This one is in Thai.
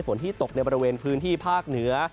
ที่ตกในบริเวณพื้นที่ภาคเหนือ